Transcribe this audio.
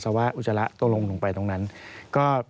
สวัสดีค่ะที่จอมฝันครับ